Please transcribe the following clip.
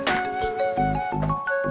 a yang seperti